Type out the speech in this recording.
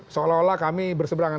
seolah olah kami berseberangan